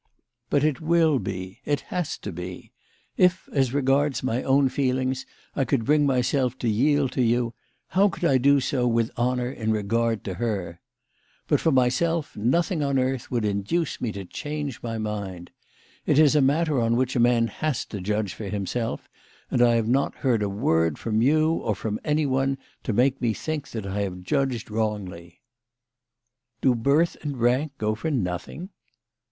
"But it will be. It has to be. If as regards my own feelings I could bring myself to yield to you, how could I do so with honour in regard to her ? But, for myself, nothing on earth would induce me to change my mind. It is a matter on which a man has to judge for himself, and I have not heard a word from you or from anyone to make me think that I have judged wrongly." " Do birth and rank go for nothing